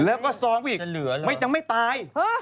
แล้วก็ซ้อมอีกยังไม่ตาย